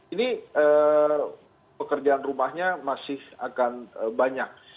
ini pekerjaan rumahnya masih akan banyak